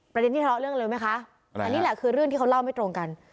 ที่ทะเลาะเรื่องเลยไหมคะอันนี้แหละคือเรื่องที่เขาเล่าไม่ตรงกัน